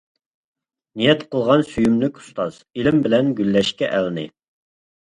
نىيەت قىلغان سۆيۈملۈك ئۇستاز، ئىلىم بىلەن گۈللەشكە ئەلنى.